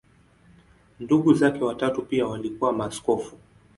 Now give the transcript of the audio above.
Ndugu zake watatu pia walikuwa maaskofu.